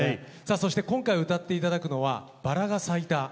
そして今回歌って頂くのは「バラが咲いた」。